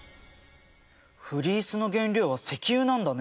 フリースの原料は石油なんだね。